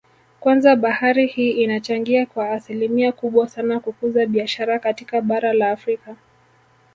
Kwanza bahari hii inachangia kwa asilimia kubwa sana kukuza biashara katika bara la Afrika